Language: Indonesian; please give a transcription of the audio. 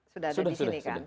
sudah ada disini kan